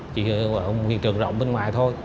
chỉ là một hiện trường rộng bên ngoài thôi